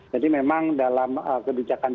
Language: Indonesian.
jadi memang dalam kebijakan